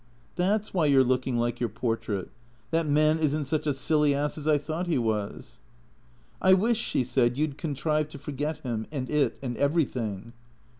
" That 's why you 're looking like your portrait. That man is n't such a silly ass as I thought he was.'' " I wish," she said, " you 'd contrive to forget him, and it, and everything."